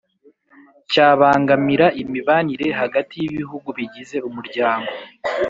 cyabangamira imibanire hagati y'ibihugu bigize umuryango.